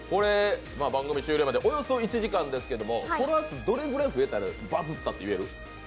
番組終了までおよそ１時間ですけれどフォロワー数どれくらいに増えたらバズったと言える？